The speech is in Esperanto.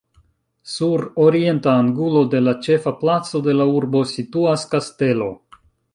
Sur orienta angulo de la ĉefa placo de la urbo situas kastelo.